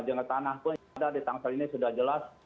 jangka tanah pun ada di tangsal ini sudah jelas